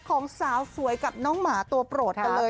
ของสาวสวยกับน้องหมาตัวโปรดกันเลย